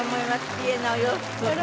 きれいなお洋服を。